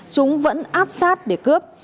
chúng vẫn áp sát để cướp